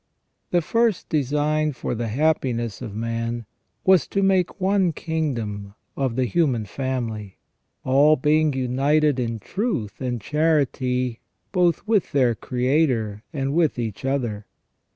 The first design for the happiness of man was to make one kingdom of the human family, all being united in truth and charity both with their Creator and with each other.